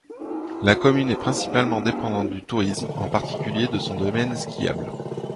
La commune est principalement dépendante du tourisme, en particulier de son domaine skiable.